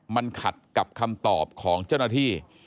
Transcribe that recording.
มันขัดกับคำตอบของเจ้าหน้าที่